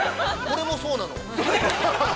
俺もそうなの。